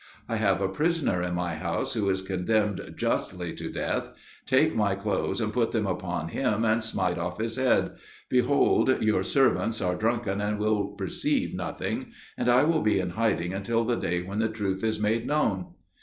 I have a prisoner in my house who is condemned justly to death. Take my clothes and put them upon him, and smite off his head; behold, your servants are drunken and will perceive nothing, and I will be in hiding until the day when the truth is made known."